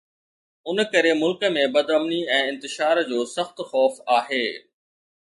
ان ڪري ملڪ ۾ بدامني ۽ انتشار جو سخت خوف آهي